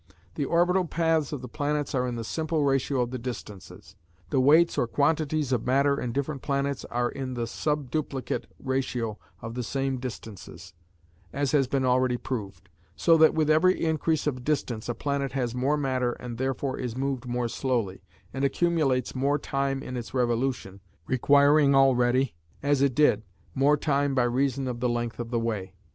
The orbital paths of the planets are in the simple ratio of the distances; the weights or quantities of matter in different planets are in the subduplicate ratio of the same distances, as has been already proved; so that with every increase of distance a planet has more matter and therefore is moved more slowly, and accumulates more time in its revolution, requiring already, as it did, more time by reason of the length of the way.